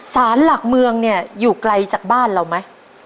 สารหลักเมืองเนี่ยอยู่ไกลจากบ้านเราไหม